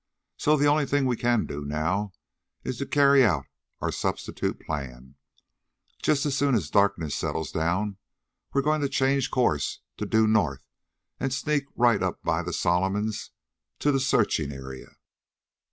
So the only thing we can do, now, is to carry out our substitute plan. Just as soon as darkness settles down we're going to change course to due north and sneak right up by the Solomons to the searching area.